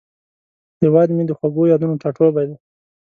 هیواد مې د خوږو یادونو ټاټوبی دی